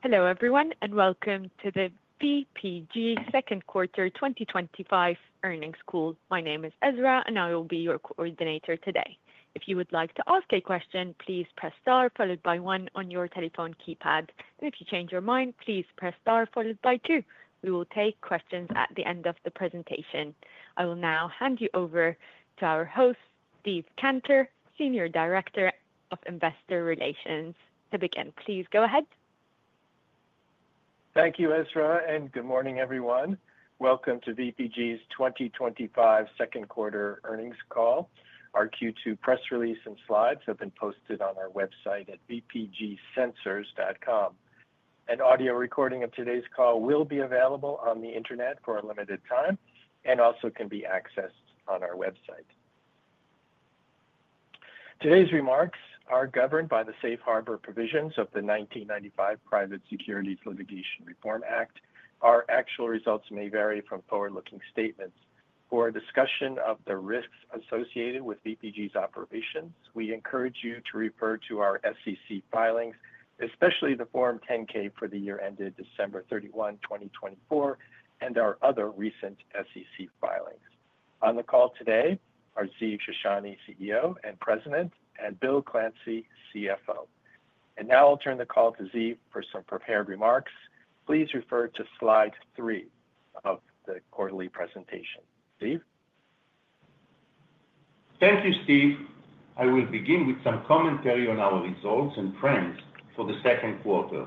Hello everyone and welcome to the VPG Second Quarter 2025 Earnings Call. My name is Ezra and I will be your coordinator today. If you would like to ask a question, please press star followed by one on your telephone keypad. If you change your mind, please press star followed by two. We will take questions at the end of the presentation. I will now hand you over to our host, Steve Cantor, Senior Director of Investor Relations. To begin, please go ahead. Thank you, Ezra, and good morning everyone. Welcome to VPG's 2025 Second Quarter Earnings Call. Our Q2 press release and slides have been posted on our website at vpgsensors.com. An audio recording of today's call will be available on the internet for a limited time and also can be accessed on our website. Today's remarks are governed by the Safe Harbor provisions of the 1995 Private Securities Litigation Reform Act. Our actual results may vary from forward-looking statements. For a discussion of the risks associated with VPG's operations, we encourage you to refer to our SEC filings, especially the Form 10-K for the year ended December 31, 2024, and our other recent SEC filings. On the call today are Ziv Shoshani, CEO and President, and Bill Clancy, CFO. Now I'll turn the call to Ziv for some prepared remarks. Please refer to slide three of the quarterly presentation. Ziv? Thank you, Steve. I will begin with some commentary on our results and trends for the second quarter.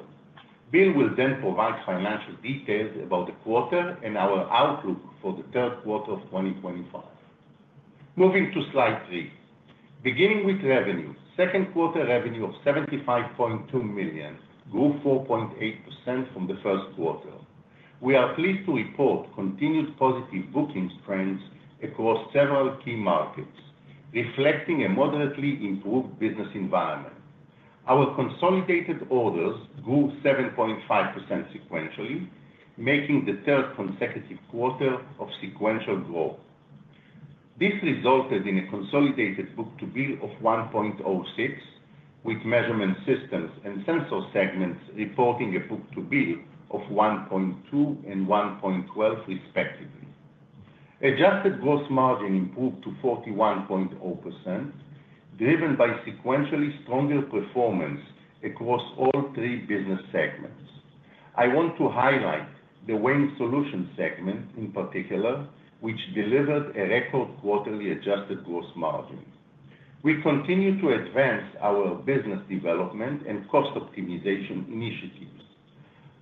Bill will then provide financial details about the quarter and our outlook for the third quarter of 2025. Moving to slide three. Beginning with revenue, second quarter revenue of $75.2 million grew 4.8% from the first quarter. We are pleased to report continued positive bookings trends across several key markets, reflecting a moderately improved business environment. Our consolidated orders grew 7.5% sequentially, making the third consecutive quarter of sequential growth. This resulted in a consolidated book-to-bill of 1.06, with measurement systems and sensor segments reporting a book-to-bill of 1.2 and 1.12, respectively. Adjusted gross margin improved to 41.0%, driven by sequentially stronger performance across all three business segments. I want to highlight the Weighing Solutions segment in particular, which delivered a record quarterly adjusted gross margin. We continue to advance our business development and cost optimization initiatives.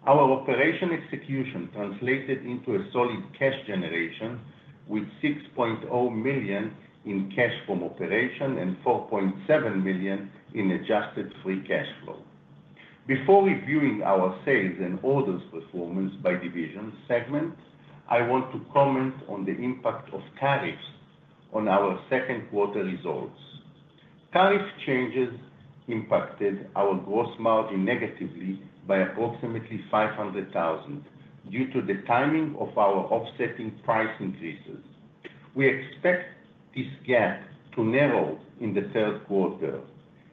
Our operational execution translated into solid cash generation, with $6 million in cash from operations and $4.7 million in adjusted free cash flow. Before reviewing our sales and orders performance by division segment, I want to comment on the impact of tariffs on our second quarter results. Tariff changes impacted our gross margin negatively by approximately $500,000 due to the timing of our offsetting price increases. We expect this gap to narrow in the third quarter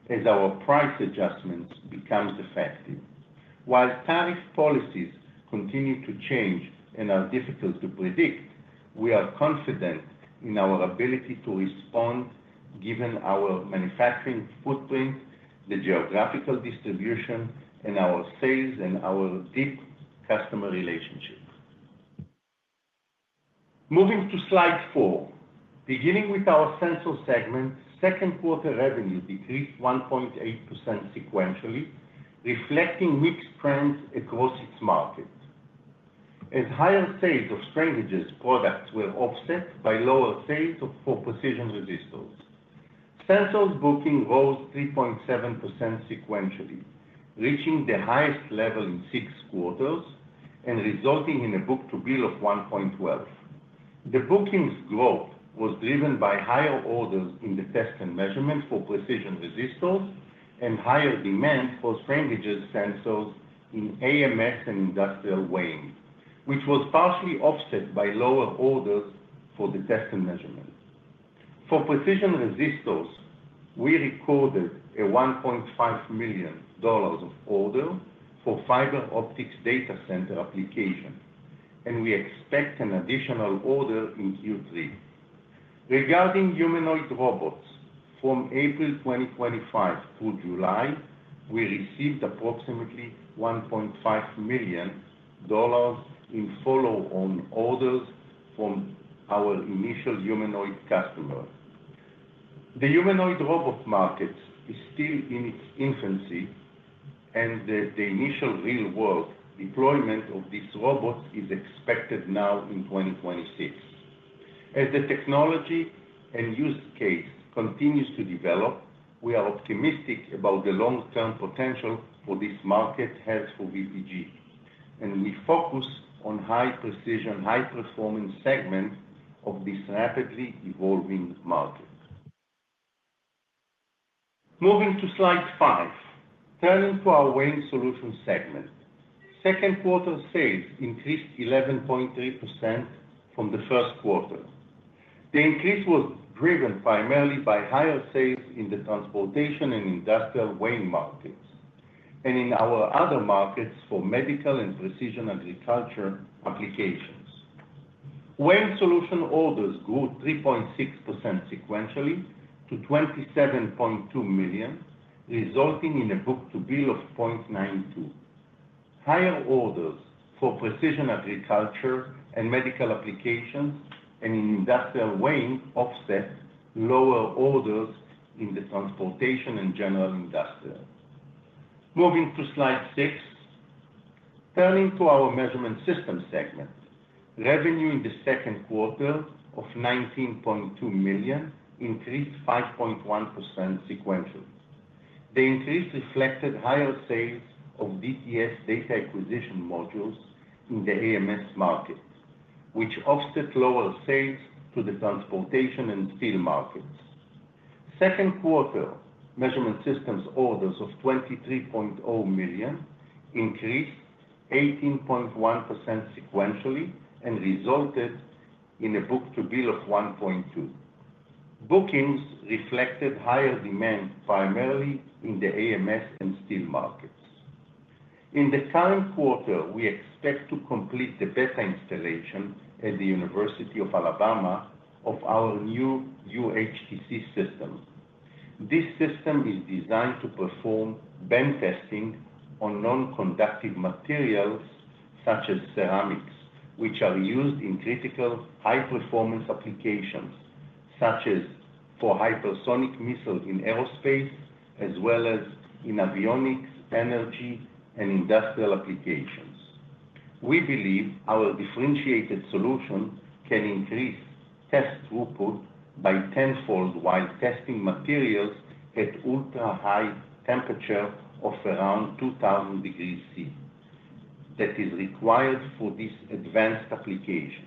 as our price adjustments become effective. While tariff policies continue to change and are difficult to predict, we are confident in our ability to respond given our manufacturing footprint, the geographical distribution, and our sales and our deep customer relationships. Moving to slide four. Beginning with our sensor segment, second quarter revenue decreased 1.8% sequentially, reflecting mixed trends across its market. As higher sales of strain gages products were offset by lower sales of precision resistors, sensor bookings rose 3.7% sequentially, reaching the highest level in six quarters and resulting in a book-to-bill of 1.12. The bookings growth was driven by higher orders in the test and measurement for precision resistors and higher demand for strain gages sensors in AMS and industrial weighing, which was partially offset by lower orders for the test and measurement. For precision resistors, we recorded a $1.5 million order for fiber optics data center applications, and we expect an additional order in Q3. Regarding humanoid robots, from April 2025 through July, we received approximately $1.5 million in follow-on orders from our initial humanoid customers. The humanoid robot market is still in its infancy, and the initial real-world deployment of these robots is expected now in 2026. As the technology and use case continue to develop, we are optimistic about the long-term potential for this market health for Vishay Precision Group, and we focus on high-precision, high-performing segments of this rapidly evolving market. Moving to slide five, turning to our Weighing Solutions segment, second quarter sales increased 11.8% from the first quarter. The increase was driven primarily by higher sales in the transportation and industrial weighing markets, and in our other markets for medical and precision agriculture applications. Weighing Solutions orders grew 3.6% sequentially to $27.2 million, resulting in a book-to-bill of 0.92. Higher orders for precision agriculture and medical applications, and in industrial weighing, offset lower orders in the transportation and general industrial. Moving to slide six, turning to our measurement systems segment, revenue in the second quarter of $19.2 million increased 5.1% sequentially. The increase reflected higher sales of DTS data acquisition modules in the AMS market, which offset lower sales to the transportation and field markets. Second quarter measurement systems orders of $23.0 million increased 18.1% sequentially and resulted in a book-to-bill of 1.2. Bookings reflected higher demand primarily in the AMS and steel markets. In the current quarter, we expect to complete the beta installation at the University of Alabama of our new UHTC system. This system is designed to perform bend testing on non-conductive materials such as ceramics, which are used in critical high-performance applications, such as for hypersonic missiles in aerospace, as well as in avionic energy and industrial applications. We believe our differentiated solution can increase test throughput by tenfold while testing materials at ultra-high temperatures of around 2,000 degrees C. That is required for these advanced applications.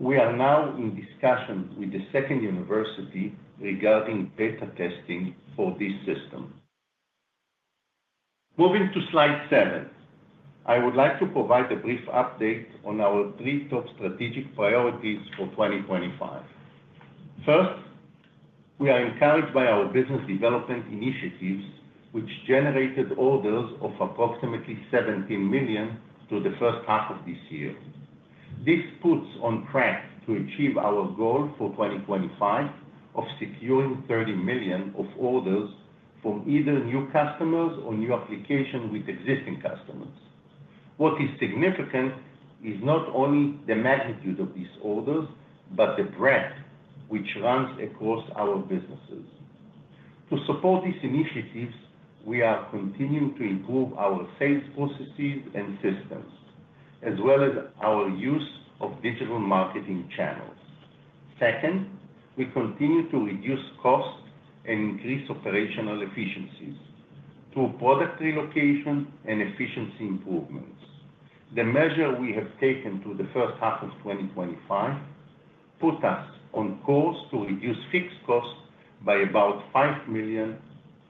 We are now in discussion with the second university regarding beta testing for this system. Moving to slide seven, I would like to provide a brief update on our three top strategic priorities for 2025. First, we are encouraged by our business development initiatives, which generated orders of approximately $17 million through the first half of this year. This puts us on track to achieve our goal for 2025 of securing $30 million of orders from either new customers or new applications with existing customers. What is significant is not only the magnitude of these orders, but the brand which runs across our businesses. To support these initiatives, we are continuing to improve our sales processes and systems, as well as our use of digital marketing channels. Second, we continue to reduce costs and increase operational efficiency through product relocation and efficiency improvements. The measures we have taken through the first half of 2025 put us on course to reduce fixed costs by about $5 million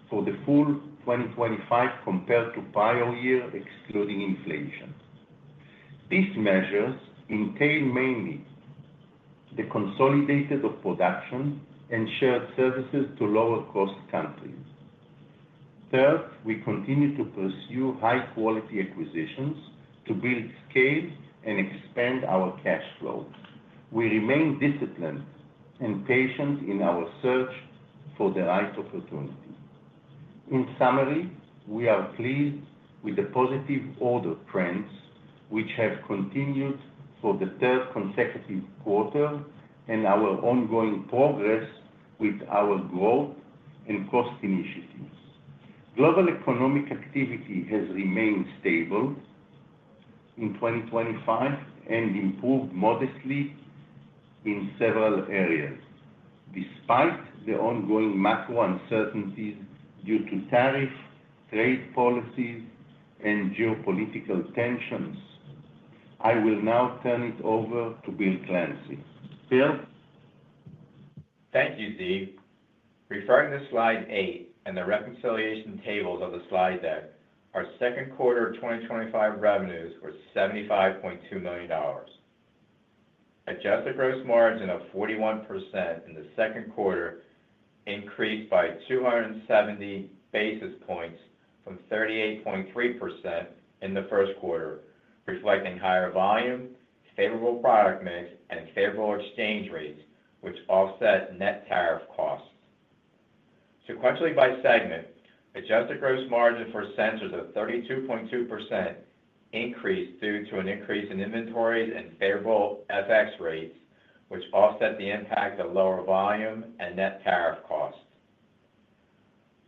for the full 2025 compared to prior years, excluding inflation. These measures entail mainly the consolidation of production and shared services to lower-cost countries. Third, we continue to pursue high-quality acquisitions to build scale and expand our cash flows. We remain disciplined and patient in our search for the right opportunity. In summary, we are pleased with the positive order trends, which have continued for the third consecutive quarter, and our ongoing progress with our growth and cost initiatives. Global economic activity has remained stable in 2025 and improved modestly in several areas, despite the ongoing macro uncertainties due to tariffs, trade policies, and geopolitical tensions. I will now turn it over to Bill Clancy. Bill? Thank you, Ziv. Referring to slide A and the reconciliation tables on the slide there, our second quarter of 2025 revenues were $75.2 million. Adjusted gross margin of 41% in the second quarter increased by 217 basis points from 38.3% in the first quarter, reflecting higher volume, favorable product mix, and favorable exchange rates, which offset net tariff costs. Sequentially by segment, adjusted gross margin for sensors at 32.2% increased due to an increase in inventories and favorable FX rates, which offset the impact of lower volume and net tariff costs.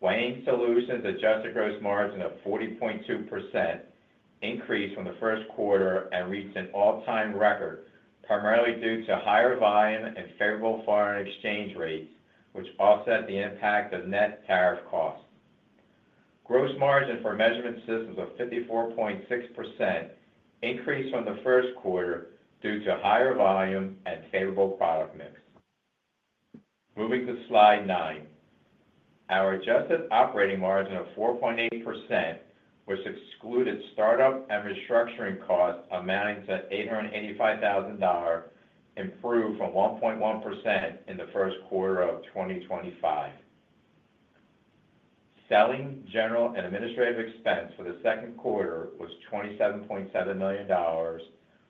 Weighing Solutions' adjusted gross margin of 40.2% increased from the first quarter and reached an all-time record, primarily due to higher volume and favorable foreign exchange rates, which offset the impact of net tariff costs. Gross margin for measurement systems of 54.6% increased from the first quarter due to higher volume and favorable product mix. Moving to slide nine, our adjusted operating margin of 4.8%, which excluded startup and restructuring costs, amounts to $885,000, improved from 1.1% in the first quarter of 2025. Selling, general, and administrative expense for the second quarter was $27.7 million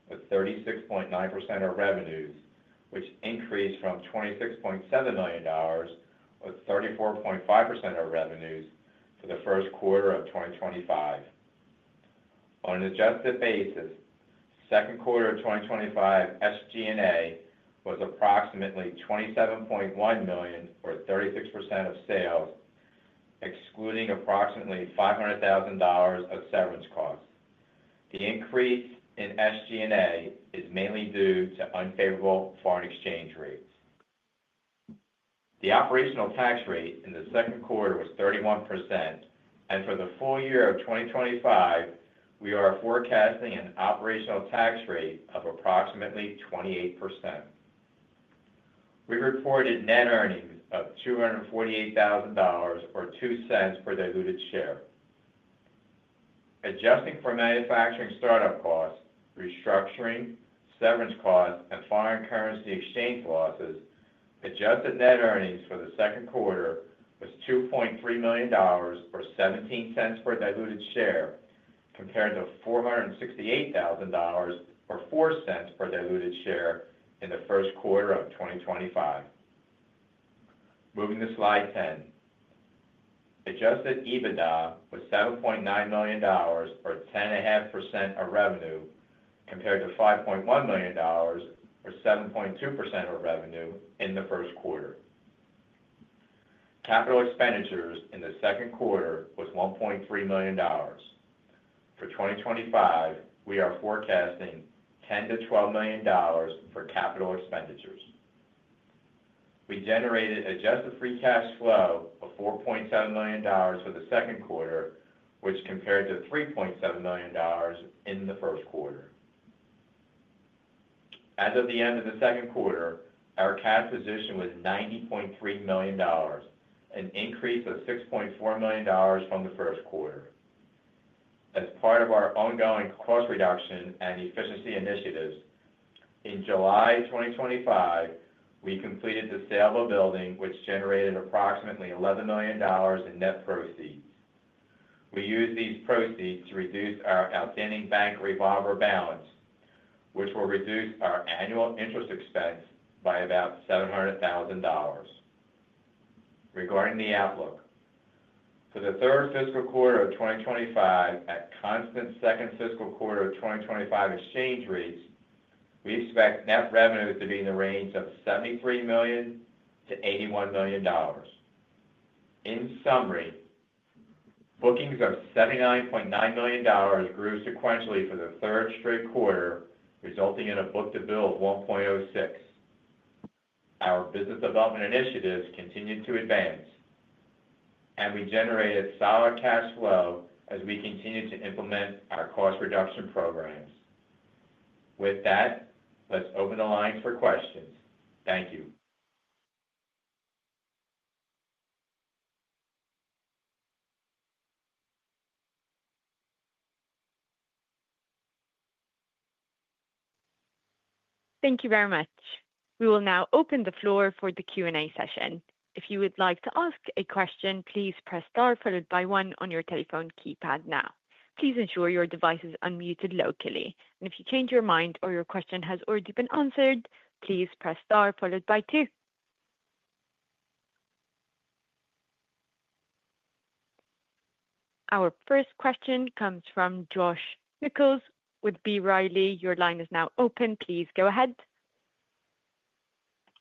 with 36.9% of revenues, which increased from $26.7 million with 34.5% of revenues for the first quarter of 2025. On an adjusted basis, the second quarter of 2025 SG&A was approximately $27.1 million or 36% of sales, excluding approximately $500,000 of severance costs. The increase in SG&A is mainly due to unfavorable foreign exchange rates. The operational tax rate in the second quarter was 31%, and for the full year of 2025, we are forecasting an operational tax rate of approximately 28%. We reported net earnings of $248,000 or $0.02 per diluted share. Adjusting for manufacturing startup costs, restructuring, severance costs, and foreign currency exchange losses, adjusted net earnings for the second quarter were $2.3 million or $0.17 per diluted share, compared to $468,000 or $0.04 per diluted share in the first quarter of 2025. Moving to slide 10, adjusted EBITDA was $7.9 million or 10.5% of revenue, compared to $5.1 million or 7.2% of revenue in the first quarter. Capital expenditures in the second quarter were $1.3 million. For 2025, we are forecasting $10 million-$12 million for capital expenditures. We generated adjusted free cash flow of $4.7 million for the second quarter, which compared to $3.7 million in the first quarter. As of the end of the second quarter, our cash position was $90.3 million, an increase of $6.4 million from the first quarter. As part of our ongoing cost reduction and efficiency initiatives, in July 2025, we completed the sale of a building, which generated approximately $11 million in net proceeds. We use these proceeds to reduce our outstanding bank revolver balance, which will reduce our annual interest expense by about $700,000. Regarding the outlook for the third fiscal quarter of 2025, at constant second fiscal quarter of 2025 exchange rates, we expect net revenue to be in the range of $73 million-$81 million. In summary, bookings of $79.9 million grew sequentially for the third straight quarter, resulting in a book-to-bill of 1.06. Our business development initiatives continued to advance, and we generated solid cash flow as we continued to implement our cost reduction programs. With that, let's open the lines for questions. Thank you. Thank you very much. We will now open the floor for the Q&A session. If you would like to ask a question, please press star followed by one on your telephone keypad now. Please ensure your device is unmuted locally. If you change your mind or your question has already been answered, please press star followed by two. Our first question comes from Josh Nichols with B. Riley. Your line is now open. Please go ahead.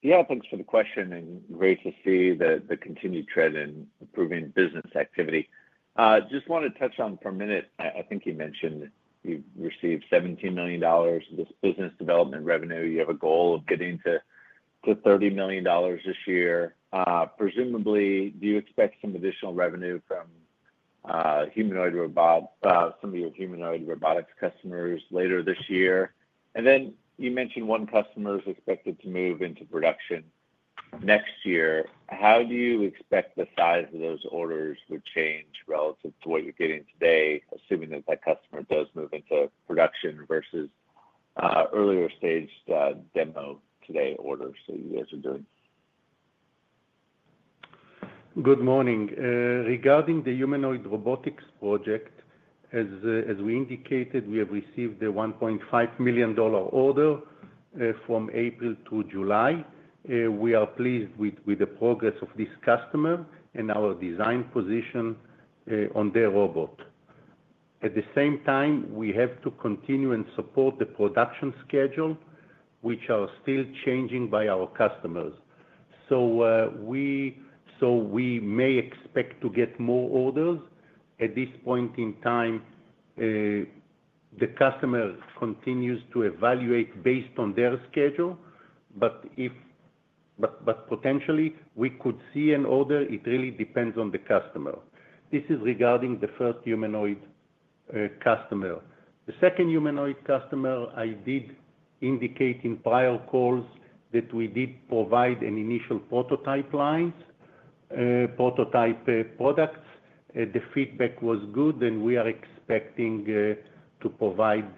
Yeah, thanks for the question and great to see the continued trend in improving business activity. I just want to touch on for a minute. I think you mentioned you've received $17 million of this business development revenue. You have a goal of getting to $30 million this year. Presumably, do you expect some additional revenue from some of your humanoid robotics customers later this year? You mentioned one customer is expected to move into production next year. How do you expect the size of those orders would change relative to what you're getting today, assuming that that customer does move into production versus earlier staged demo today orders that you guys are doing? Good morning. Regarding the humanoid robotics project, as we indicated, we have received a $1.5 million order from April to July. We are pleased with the progress of this customer and our design position on their robot. At the same time, we have to continue and support the production schedule, which is still changing by our customers. We may expect to get more orders. At this point in time, the customer continues to evaluate based on their schedule, but potentially, we could see an order. It really depends on the customer. This is regarding the first humanoid customer. The second humanoid customer, I did indicate in prior calls that we did provide an initial prototype line, prototype products. The feedback was good, and we are expecting to provide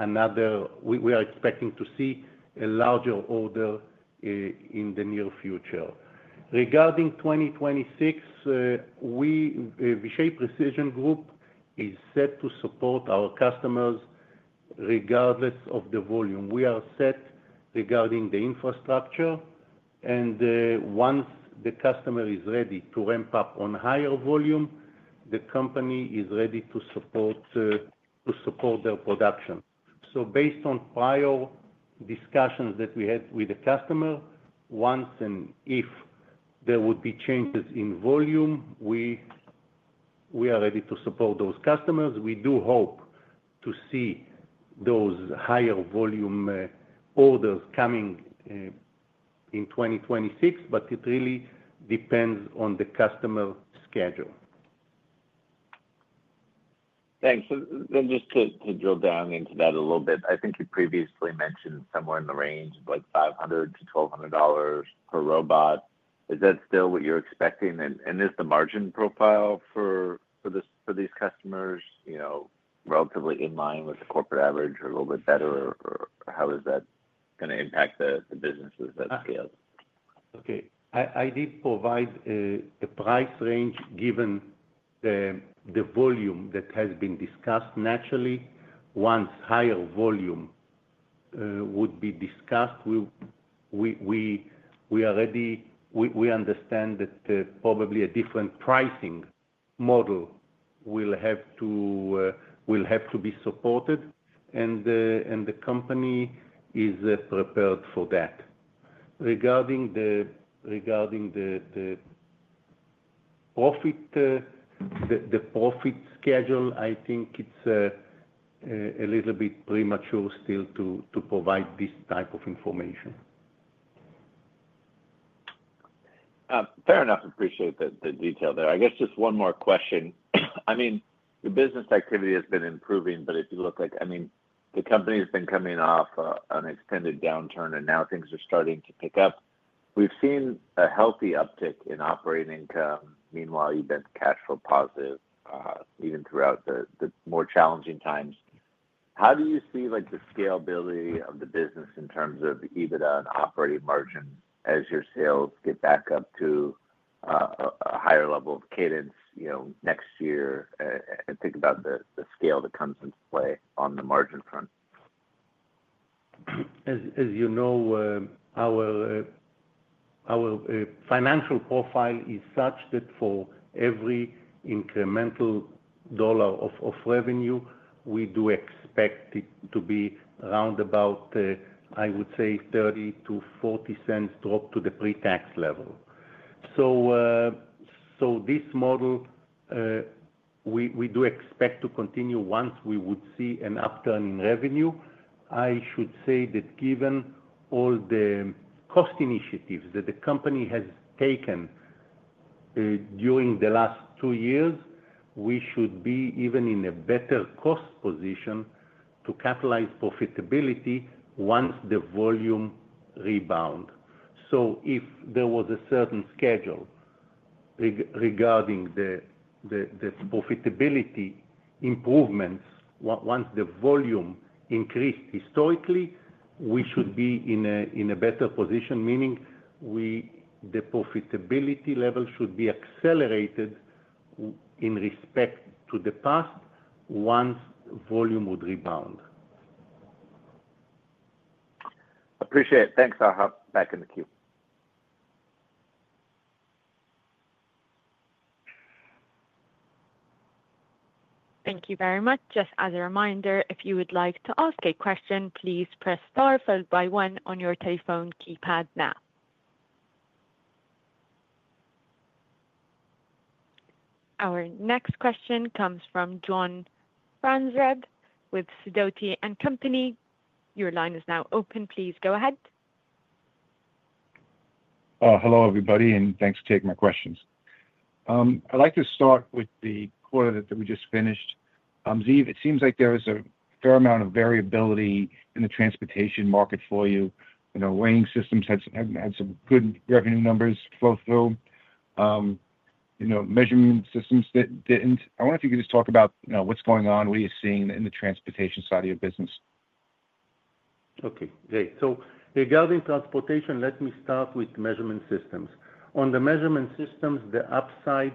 another. We are expecting to see a larger order in the near future. Regarding 2026, Vishay Precision Group is set to support our customers regardless of the volume. We are set regarding the infrastructure, and once the customer is ready to ramp up on higher volume, the company is ready to support their production. Based on prior discussions that we had with the customer, once and if there would be changes in volume, we are ready to support those customers. We do hope to see those higher volume orders coming in 2026, but it really depends on the customer schedule. Thanks. Just to drill down into that a little bit, I think you previously mentioned somewhere in the range of $500-$1,200 per robot. Is that still what you're expecting? Is the margin profile for these customers, you know, relatively in line with the corporate average or a little bit better, or how is that going to impact the businesses at scale? Okay. I did provide a price range given the volume that has been discussed. Naturally, once higher volume would be discussed, we already understand that probably a different pricing model will have to be supported, and the company is prepared for that. Regarding the profit schedule, I think it's a little bit premature still to provide this type of information. Fair enough. I appreciate the detail there. I guess just one more question. I mean, your business activity has been improving, but if you look at, I mean, the company has been coming off an extended downturn, and now things are starting to pick up. We've seen a healthy uptick in operating income. Meanwhile, you've been cash flow positive even throughout the more challenging times. How do you see the scalability of the business in terms of EBITDA and operating margin as your sales get back up to a higher level of cadence next year? I think about the scale that comes into play on the margin front. As you know, our financial profile is such that for every incremental dollar of revenue, we do expect it to be around about, I would say, $0.30-$0.40 drop to the pre-tax level. This model, we do expect to continue once we would see an upturn in revenue. I should say that given all the cost initiatives that the company has taken during the last two years, we should be even in a better cost position to capitalize profitability once the volume rebounds. If there was a certain schedule regarding the profitability improvements, once the volume increased historically, we should be in a better position, meaning the profitability level should be accelerated in respect to the past once volume would rebound. Appreciate it. Thanks, Ziv. Back in the queue. Thank you very much. Just as a reminder, if you would like to ask a question, please press star followed by one on your telephone keypad now. Our next question comes from John Franzreb with Sidoti & Company. Your line is now open. Please go ahead. Hello, everybody, and thanks for taking my questions. I'd like to start with the quarter that we just finished. Ziv, it seems like there is a fair amount of variability in the transportation market for you. You know, weighing systems had some good revenue numbers flow through. Measurement systems didn't. I wonder if you could just talk about what's going on, what you're seeing in the transportation side of your business. Okay. Regarding transportation, let me start with measurement systems. On the measurement systems, the upside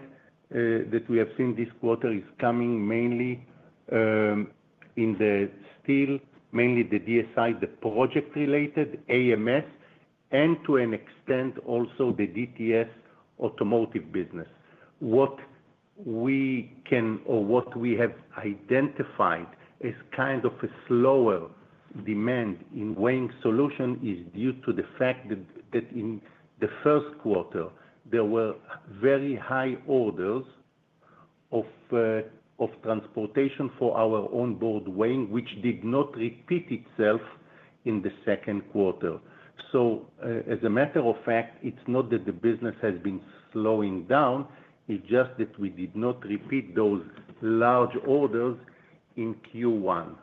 that we have seen this quarter is coming mainly in the steel, mainly the DSI, the project-related AMS, and to an extent also the DTS automotive business. What we can or what we have identified as kind of a slower demand in weighing solutions is due to the fact that in the first quarter, there were very high orders of transportation for our onboard weighing, which did not repeat itself in the second quarter. As a matter of fact, it's not that the business has been slowing down. It's just that we did not repeat those large orders in Q1.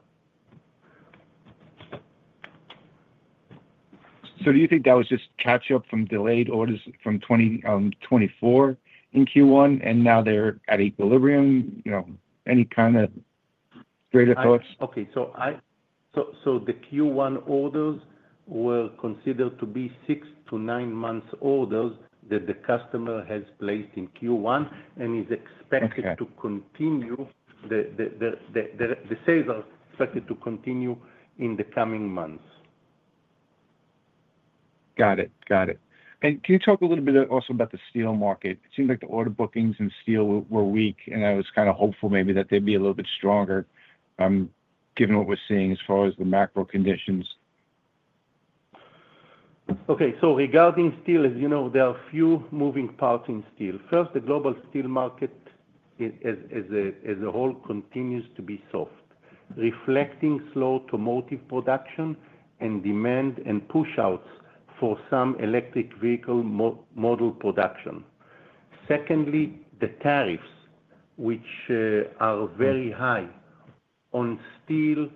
Do you think that was just catch-up from delayed orders from 2024 in Q1, and now they're at equilibrium? You know, any kind of greater thoughts? The Q1 orders were considered to be six to nine months orders that the customer has placed in Q1 and are expected to continue. The sales are expected to continue in the coming months. Got it. Can you talk a little bit also about the steel market? It seemed like the order bookings in steel were weak, and I was kind of hopeful maybe that they'd be a little bit stronger given what we're seeing as far as the macro conditions. Okay. Regarding steel, as you know, there are a few moving parts in steel. First, the global steel market as a whole continues to be soft, reflecting slow automotive production and demand and push-outs for some electric vehicle model production. Secondly, the tariffs, which are very high on steel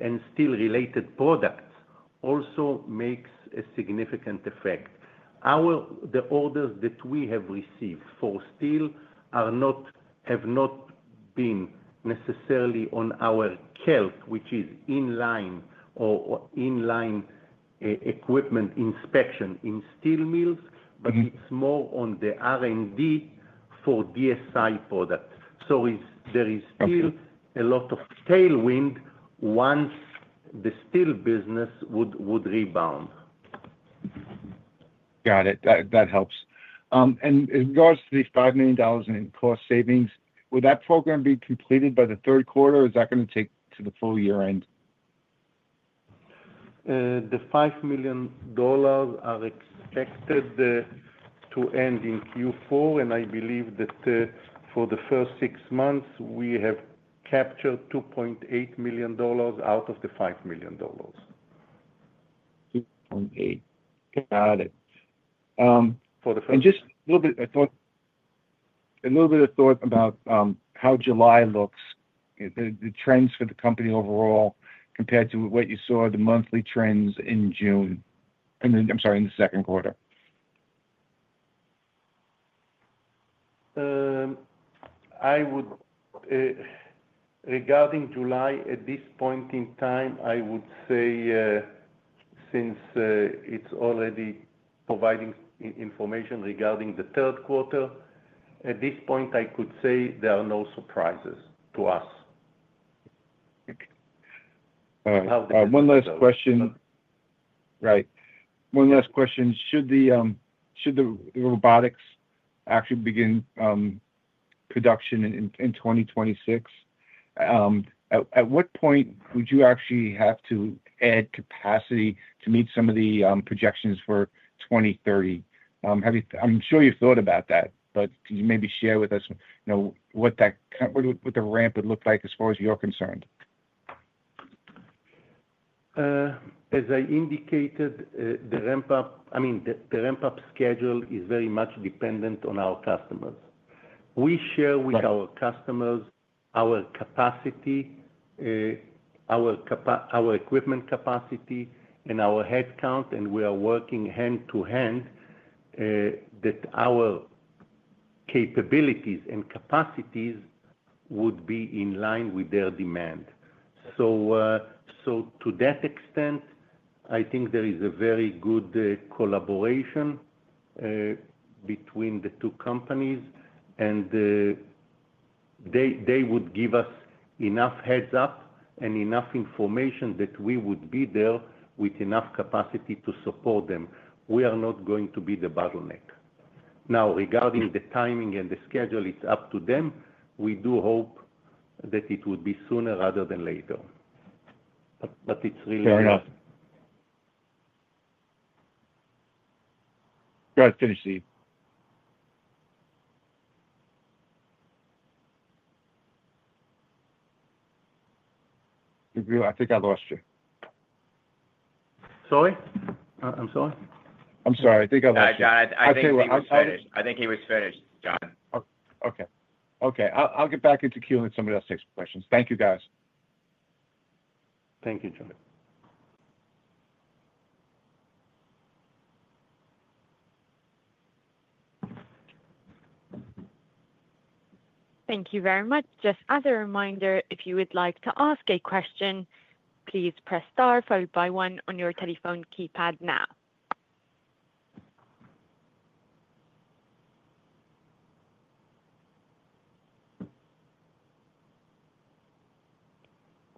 and steel-related products, also make a significant effect. The orders that we have received for steel have not been necessarily on our KELK products, which is in line or in line equipment inspection in steel mills, but it's more on the R&D for DTS products. There is still a lot of tailwind once the steel business would rebound. Got it. That helps. In regards to these $5 million in cost savings, would that program be completed by the third quarter, or is that going to take to the full year end? The $5 million are expected to end in Q4, and I believe that for the first six months, we have captured $2.8 million out of the $5 million. $2.8 million. Got it. Just a little bit of thought about how July looks, the trends for the company overall compared to what you saw, the monthly trends in June, and then, I'm sorry, in the second quarter. Regarding July, at this point in time, I would say since it's already providing information regarding the third quarter, at this point, I could say there are no surprises to us. All right. One last question. Should the robotics actually begin production in 2026, at what point would you actually have to add capacity to meet some of the projections for 2030? I'm sure you've thought about that, but can you maybe share with us what that kind of what the ramp would look like as far as you're concerned? As I indicated, the ramp-up, I mean, the ramp-up schedule is very much dependent on our customers. We share with our customers our capacity, our equipment capacity, and our headcount, and we are working hand-to-hand that our capabilities and capacities would be in line with their demand. To that extent, I think there is a very good collaboration between the two companies, and they would give us enough heads up and enough information that we would be there with enough capacity to support them. We are not going to be the bottleneck. Regarding the timing and the schedule, it's up to them. We do hope that it would be sooner rather than later. It's really not. Fair enough. Go ahead. Finish, Steve. I think I lost you. I'm sorry? I'm sorry, I think I lost you. I think he was finished. Got it. Okay. I'll get back into queue and let somebody else take some questions. Thank you, guys. Thank you, John. Thank you very much. Just as a reminder, if you would like to ask a question, please press star followed by one on your telephone keypad now.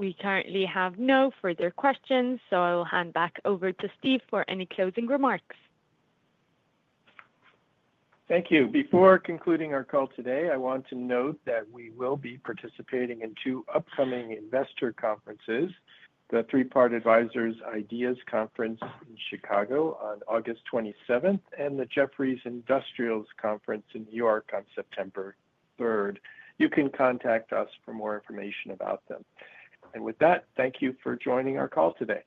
We currently have no further questions, so I will hand back over to Steve for any closing remarks. Thank you. Before concluding our call today, I want to note that we will be participating in two upcoming investor conferences, the Three-Part Advisors Ideas Conference in Chicago on August 27 and the Jefferies Industrials Conference in New York on September 3. You can contact us for more information about them. Thank you for joining our call today.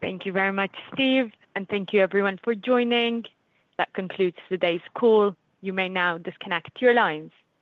Thank you very much, Steve, and thank you, everyone, for joining. That concludes today's call. You may now disconnect your lines.